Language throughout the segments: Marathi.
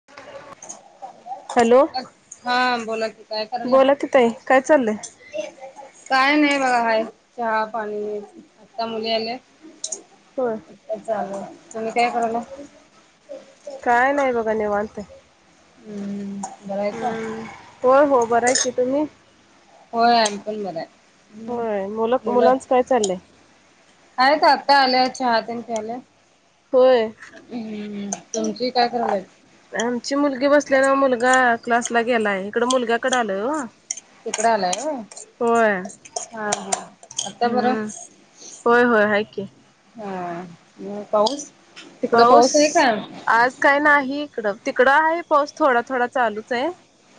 [inaudible] हॅलो हा बोला की काय करायला बोला की ताई काय चालंय. काय नाही बघा, हाय चहा पाणी. आता मुली आलेत. तर. चालू तुम्ही काय करालाय. काय नाय बघा निवांत. हम्म. बरं आहेसा हम्म होय हो बरं आहे की तुम्ही. होय आम्ही पण बराय होय मुलं. मुलांच काय चाललंय आहेत आता आले, चहा तेन प्यायले. होय. हम्म तुमची काय करालेत. आमची मुलगी बसल्या नवं, मुलगा क्लासला गेला आहे इकडं मुलग्याकड आलोय ओ. तिकडं आलाय होय हा हा आता बरं. हम्म होय होय हाय की. हा मग पाऊस. तिकडं पाऊस आहे का आज काय नाही इकडं तिकडं आहे. पाऊस थोडा थोडा चालूच ये.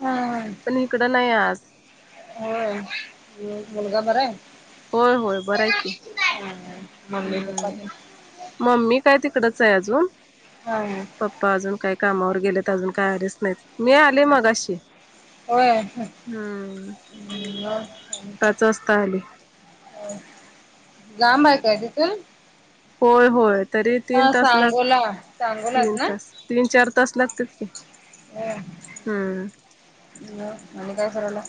आ. इकडं नाही आज. होय मुलगा बरं होय होय बरं आहे की हाय. मम्मी पप्पा हम्म तेन. मम्मी काय तिकडचं आहे अजून. हा हा. पप्पा अजून काय कामावर गेलेत, अजून काय आलेच नाहीत. मी आले मगाशी होय हम्म. पाच वाजता आली लांब आहे काय तिथून. होय होय तरी तीन हा तास लाग सांगोला सांगोलाच तीन ना तास, तीन चार तास लागतात की. होय. हम्म. ह आणि काय करालाय.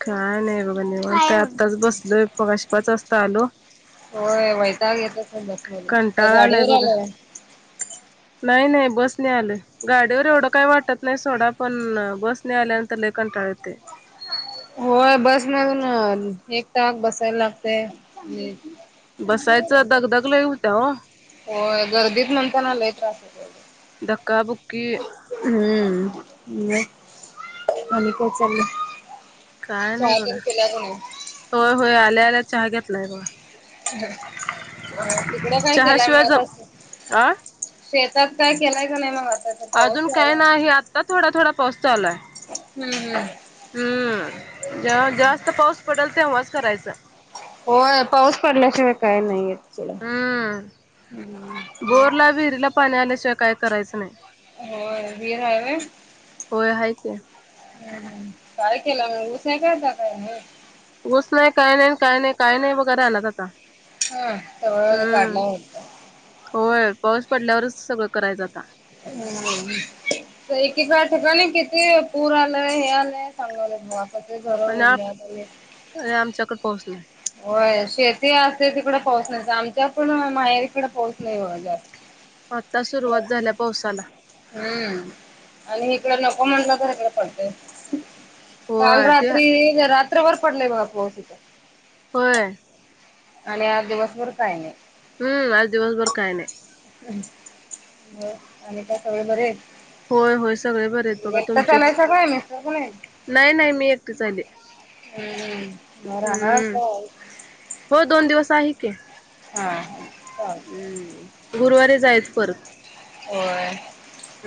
काय नाही बघा निवांत आत्ताच बसलोय, मगाशी पाच वासता आलो. होय वैताक येत असेल बस मध्ये, काय कंटाळा आलाय गाडीवर बघा आलेय. नाही नाही बस ने आलोय, गाडीवर ऐवढ काय वाटतं. नाही सोडा पण बसने आल्यानंतर लय कंटाळ येते. होय बस मधून एक टाक बसायला लागतेय आणि. बसायचं दगदग लय होत्या ओ. गर्दीत म्हणताना लय त्रास होतो. धक्का बुकी. हम्म मग आणि काय चालय. काय नाही बघा. होय होय आल्या आल्या चहा घेतलाय बघा. तिकडं काय केलाय चहाशिवाय जम [unintelligible] अ शेतात काय केलाय कणी मग आता. तर पाऊस अजून काय लागलाय. नाही. आत्ता थोडा थोडा पाऊस चालूय. हम्म हम्म. हम्म जेव्हा जास्तं पाऊस पडेल तेव्हाच करायचं. होय पाऊस पडल्याशिवाय काय नाही येत सोडा. आपल्या विहिरीला पाणी आल्याशिवाय काय करायचं नाही. होय व्हिर हाय व्हयं. होय हाय की काय केला मग, ऊस हाय काय आता हे. ऊस नाही काय नाही काय नाही, काय नाही बघा रानात आता. हा तेवढ वर हम्म. काढला. होय पाऊस पडल्यावरच सगळं करायच आता. हं. एकीका ठिकाणी किती पूर आलंय हे आलंय सांगाले बघा. [unintelligible] होय आमच्याकडं पाऊस नाय. व्हय शेती असते तिकडे पाऊस नसते, आमच्या पण माहेरीकडे पाऊस नाही व जास्त. आता सुरुवात झाल्या पावसाला. हम्म आणि हिकडं नको म्हटलं, तर इकड पडते. काल होय ते रात्री रात्रभर पडलंय बघा पाऊस इथं. होय. आणि आज दिवसभर काय नाही. हम्म आज दिवसभर काय नाही. हो आणि काय सगळे बरे आहेत. होय होय सगळे बरे आहेत बघा एकटंच‌ तुमचेच आलायसा काय मिस्टर पण हायत. नाही नाही मी एकटीच आले. हम्म मग राहणार काय. हो दोन दिवस आहे कि हा चालतंय. हम. गुरुवारी जायचं परत. होय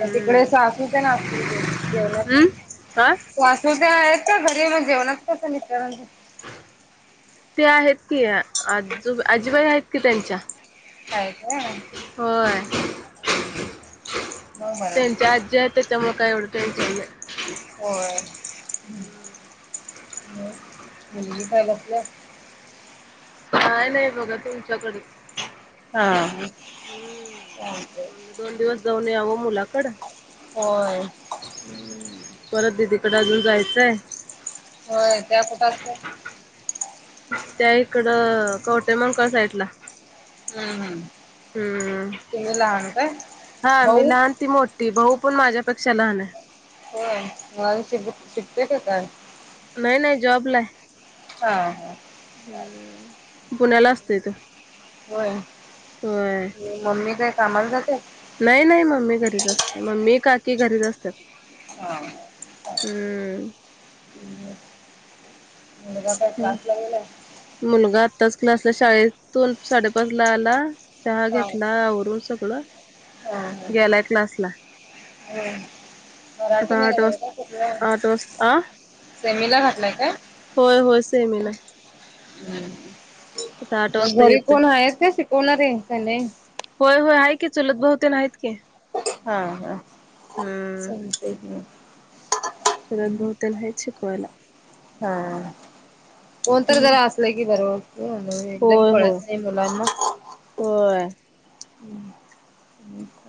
मग तिकडे सासू तेन असतीलं की, जेवणार काय. हम् हा सासू तेन आहेत ना घरी मग, जेवणात कसं मिस्टरांचं. ते आहेत की, आजू आजीबाई आहेत की त्यांच्या. आहेत होय होय हम हम. त्यांच्या आजी आहेत त्याच्यामुळ काय एवढं टेन्शन नाय. होय मुलगी काय झोपल्या. काय नाही बघा तुमच्याकडच. हा सांगते. म्हणलं दोन दिवस जाऊन यावं मुलाकड. होय हम्म, परत दिदीकड अजून जायचंय. हो त्या कुठं असत्यात. त्या इकडं कवठेमंकाळ साईटला. हम हम. हम्म, हा मी भाऊ लहान ती मोठी भाऊ पण माझ्यापेक्षा लहान आहे. हो मला श -शिकते का काय? न‌इ न‌इ जॉबला आहे. हा हा पुण्याला असतोय तो होय. होय मम्मी काय कामाला जाते. नाही नाही मम्मी घरीच असते, मम्मी काकी घरीच असतात. हा. हम्म मुलगा मुलगा क्लासला गेलाय. मुलगा आत्ताच क्लासला शाळेतून साडेपाच ला आला. चहा हा. घेतला आवरून सगळं गेलाय क्लास ला. हम्म, मराठी आता आठ मिडीयम आहे कुठलं? वाजता आठ वाजता आ सेमिला घातलाय काय? होय होय सेमी ला. हम, आता आठ मग वाजता घरी येतोय कोण आहे का शिकवणा रे, आहे का नाही? होय होय आहे की चुलत बाऊ तीन आहेत की. हा हा हम्म चालतंय की मग. चुलत भाऊ तेन हाईत शिकवायला. हा. कोण तर जरा असल की बरो वाटतय एकदम होय होय कळत नाही मुलाना. होय. हम्म,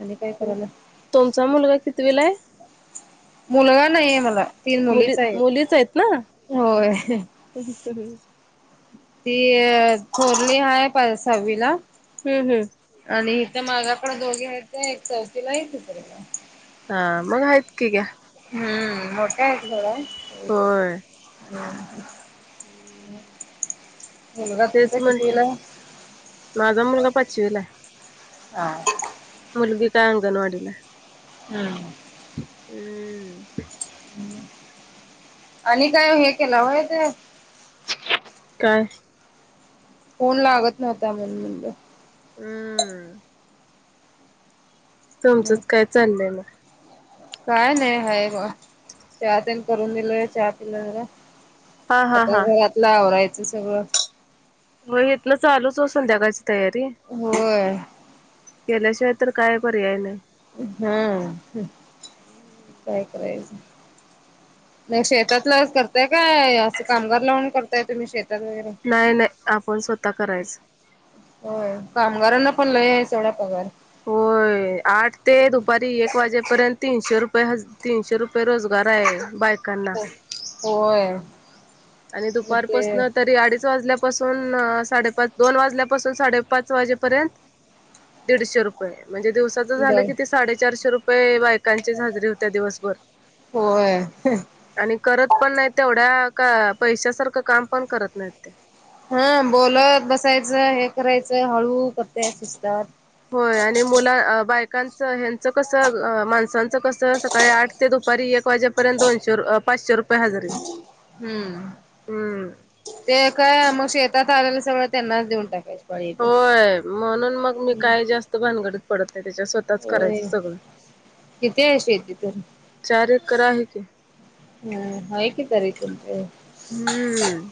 आणि काय करायला. तुमचा मुलगा कितवीला आहे. मुलगा नाही आहे मला, तीन मुली मुलीच आहेत मुलीच आहेत ना होय. [inaudible] ती थोरली हाय पा- सहावीला. हम हम. आणि इथ माझ्याकडे दोघी आहेत ते एक चौथीला एक तिसरीला. हा मग आहेत की घ्या. हम्म, मोठ्या आहेत सोडा. होय हम. मुलगा तेच तुमच्या म्हंटलं कतीला आहे? माझा मुलगा पाचवीला आहे हां. मुलगी काय अंगणवाडीला आहे. हम्म. हम्म. आणि काय हे केला वय ते? काय! फोन लागत नव्हता म्हण म्हणलं हम्म. मग तुमचंच काय चाललंय मग. काय नाही ह ग चहा तेनी करून दिलय चहा पिलं जरा. हा हा आता हा घरातल आवरायचं सगळं. होय इथल चालूच ओ संध्याकाळची तयारी होय केल्याशिवाय तर काय पर्याय नाही. हं हा काय करायच नाही शेतातला करताय काय असं कामगार लावून करताय तुम्ही शेतात वगैरे? नाही नाही आपण स्वतः करायचं. होय कामगारांना पण लय आहे सोडा पगार. होय आठ तेदुपारी एक वाजेपर्यंत तीनशे रुपये रोजगार आहे बाय हो होय. आणि मग दुपार ते पासन तरी अडीच वाजल्यापा पासून साडेपाच दोन वाजल्यापासून साडेपाच वाजेपर्यंत. दीडशे रुपये म्हणजे दिवसात ब झालं कि ते साडेचारशे रुपये बायकांचीच हाजरी होते दिवसभर. होय आणि करत पण नाही तेवढ्या का पैशा सारखं काम पण करत नाहीत ते. हा बोलत बसायचं, हे करायचं हळू करते सुस्टात. होय आणि मुला बायकांचं ह्यांचं कस माणसांचं कसं सकाळी आठ ते दुपारी एक वाजेपर्यंत दोनशे पाचशे रुये हम्म हम्म ते काय मग शेतात आलेलं सगळं त्यांनाच देऊन टाकायचे. होय म्हणून मग मी काय जास्त भानगडीत पडत नाही त्याच्या स्वतः स्वताच होय करायचं सगळं, किती आहे शेती तरी चार एकर आहे की हाय की तरीपण चार एकर. हम्म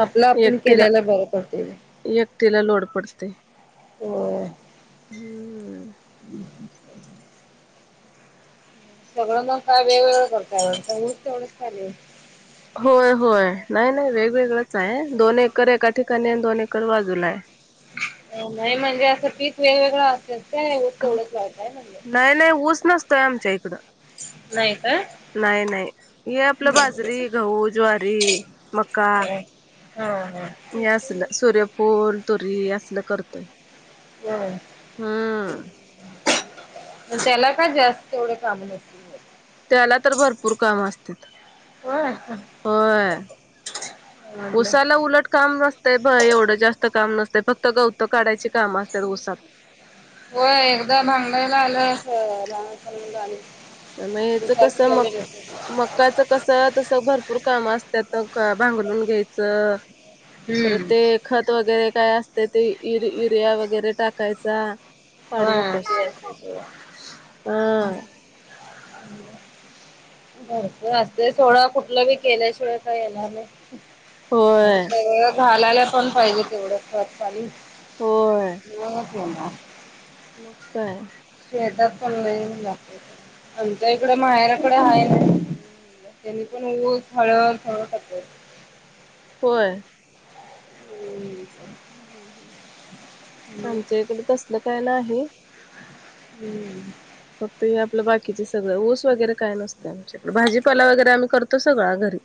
आपलं आपण एकटीला केल्याला बरं पडतेबाई. एकटीला लोड पडतय होय. हम्म. [inaudible] सगळं मग काय वेगवेगळं करताय सगळं तेवढंच चाले. होय होय नाही नाही वेगवेगळंच आहे दोन एकर एका ठिकाणी दोन एकर बाजूला आहे. नाही म्हणजे पीक वेगवेगळं असतेत काय तेवढंच लावताय म्हणल? नाय नाय ऊस नसतोय आमच्या इकडं. नाही काय? नाही नाही हे आपलं बाजरी घह ज्वारी मका. हा हा. हे असलं सूर्यफूल तुरी असल करतोय. होय. हम्म. म त्याला का जास्त एवढे काम होतील? त्याला तर भरपूर काम असतात. होय. होय म्हटलं -उसाला उलट काम नस्त ते ब एवढं जास्त काम नसते फक्त गवत काढायचे काम असतात उसात. होय एकदा भांगडायला आलं अस लहान म्हणलं आम्ही [unintelligible] मग ह्याच कस मग? मक्याच कस तस भरपूर काम असतात भांगरून घ्यायचं. हम्म. परत ते खत वगैरे काय असते ते युरिया वगैरे टाकायचा. पाडू हा नकोस ते असतंय सोडा. हा. बर भरपूर असते सोडा कुठलं बी असल केल्याशिवाय काय येणार नाही. हो. आणि तें घालायला पण पाहिजे तेवढं सकाळी. हो. मग अच होणार [unintelligible] म काय. शेतात पण लई ऊन लागतय, आमच्या इकड माहेराकडे हाय. त्यांनी पण ऊस, हळद सगळ टाकलाय. होय आमच्या इकड तसल काय नाही. हम्म फक्त हे आपलं बाकीचे सगळं ऊस वगैरे काय नसत. भाजीपाला वगैरे आम्ही करतो सगळा घरी.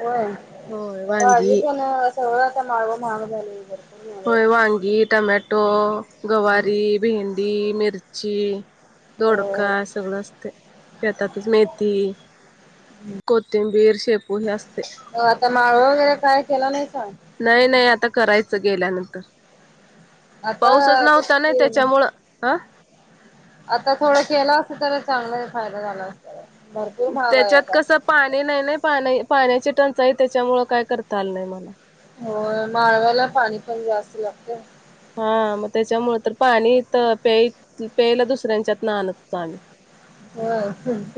होय, होय भाजी वांगी पण सगळं आता माग महाग झाले बर. होय वांगी, टमॅटो, झाले. गवारी, भेंडी, मिरची दोडका हो सगळं असते शेतातच मेथी. कोथिंबीर, शेपू नसते. हो आता माळ वगैरे काय केला नाही सांग. नाही नाही आता करायचं गेल्यानंतर. पाऊसच आता ते नव्हता नाही केलं त्याच्यामुळं. आ? आता थोडं केलं असता, तर चांगला फायदा झाला असता. भरपूर महाग आहे त्याच्यात आता कसं, पाणी नाही नाही पाणी पाण्याची टंचाई त्याच्यामुळ काय करता आलं नाही मला. हो माळगावला पाणी पण जास्त लागत. हा-म त्याच्यामुळे तर पाणी त प्याय ते पेयला दुसऱ्यांच्यात ना आणत होतो आम्ही.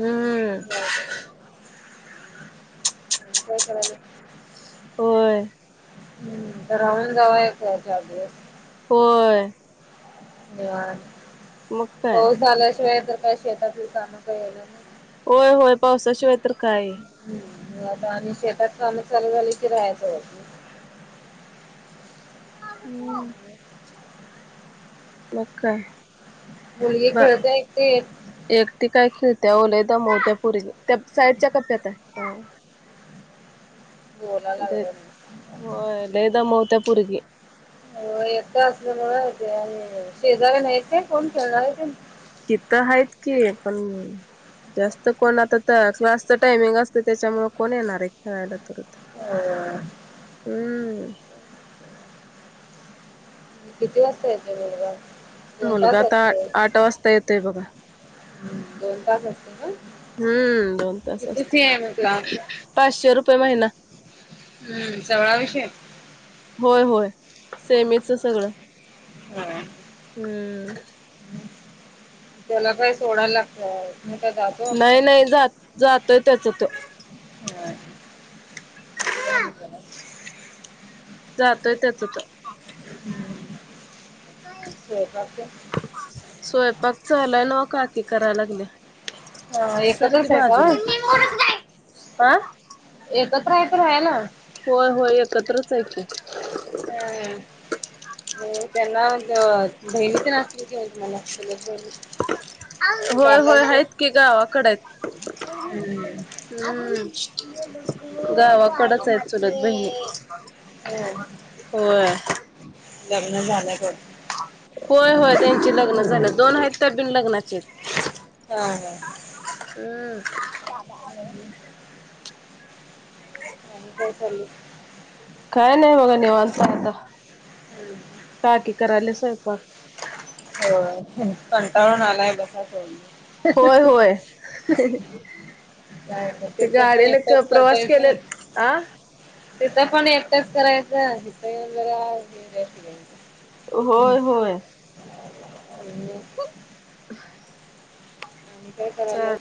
हम्म [unintelligible] [inaudible] होय. हम्म तर राहून जाऊ एक [unintelligible] होय. मग [unintelligible] काय. पाऊस झाल्याशिवाय तर काय शेतातली काम काय होणार नाय. होय होय पावसाशिवाय तर काय? हम्, आता आणि शेतात कामं चालू झाली की राहायच. हम्म. मग काय? मुलगी ब खेळते एकटीच. एकटी काय खिळत्या आवो लय दमवत्या पोरी. त्या साईडच्या कप्यात आहे. बोलायला लागल्या होय लय दमवत्या पोरगी हो एकट असल्या मुळ ते आणि शेजारी नाहीेत कोण खेळणारे तेन तिथं आहेत की पण, जास्त कोण आता तर क्लासच टायमिंग असत त्याच्यामुळे कोण येणार आहेत. खेळायला तरी होय. हम्म. किती वाजता येतोय मुलगा? दोन मुलगा तास आता असतोय. आठ वाजता येतोय बघा. दोन तास असतो ना हम्म दोन तास किती फी आहे मग क्लास? असतो पाचशे रुपये महिना. हम्म सगळा विषय होय होय सेमीच सगळं. हा. हम्म. त्याला काय सोडाय लागतय. मग काय दादा नाही नाही जा जातोय त्याच तो. हा [unintelligible] जातोय त्याच तो. हम्म शो [unintelligible] काकी हम्म स्वयंपाक चालू हाय नव काकी करायला लागल्या. हा सर की एकत्रच आहे का बाजूला आ एकत्र आहेत हायत तर राहाय ना होय होय एकत्रच हाय की. हा. अ त्यांना बहिणी येन असतील कि मगच बहिणी होय होय काकांचं आहेत की गावाकडे हायत. हम्म हम् गावाकडच हायेत चुलत बहिणी. हो होय लग्न झालंय का? होय होय त्यांची लग्न झालं दोन आहेत त्या बिन लग्नाचे आहेत. हा हा. हम्म. [unintelligible] आणि काय चाललंय. काय नाही बघा निवांत आहे आता. हम्म. काकी करालेया स्वयंपाक. होय तुम्ही कंटाळून आलाय बसादो मग होय होय मी काय ना ते तेथ पण गाडीने एकच प्रवास केले करतायचं आ तिथं पण एकटाच करायचं इथं येऊन जरा रेस्ट घ्यायचं होय होय. आणि [inaudible] आणि काय चा करालेलस